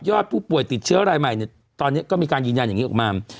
ผู้ป่วยติดเชื้อรายใหม่เนี่ยตอนนี้ก็มีการยืนยันอย่างนี้ออกมา